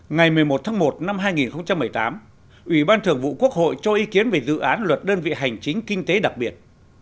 ngày một mươi một tháng một năm hai nghìn một mươi tám ủy ban thường vụ quốc hội cho ý kiến về dự án luật đơn vị hành chính kinh tế đặc biệt